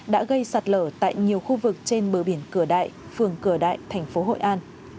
đã gây sạt lở tại nhiều khu vực trên bờ biển cửa đại phường cửa đại thành phố hội an